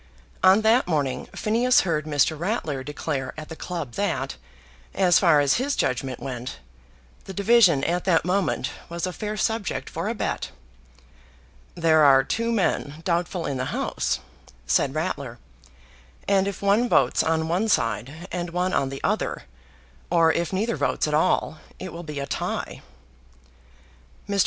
On that morning Phineas heard Mr. Ratler declare at the club that, as far as his judgment went, the division at that moment was a fair subject for a bet. "There are two men doubtful in the House," said Ratler, "and if one votes on one side and one on the other, or if neither votes at all, it will be a tie." Mr.